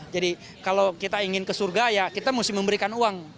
jadi kalau kita ingin ke surga ya kita mesti memberikan uang